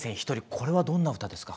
これはどんな歌ですか？